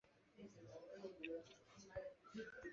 所以我们长出尾巴